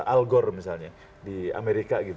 al gore misalnya di amerika